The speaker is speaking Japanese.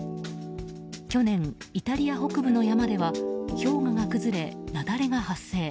去年、イタリア北部の山では氷河が崩れ、雪崩が発生。